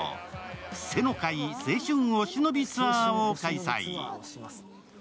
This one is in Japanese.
瀬の会、青春お忍びツアーを開催。